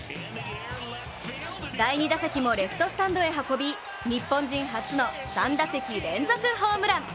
第２打席もレフトスタンドへ運び日本人初の３打席連続ホームラン。